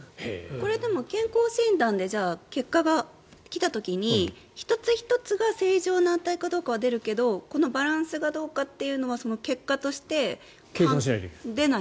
これ、でも健康診断で結果が来た時に１つ１つが正常な値かどうかは出るけれどこのバランスがどうかってのは結果として出ない。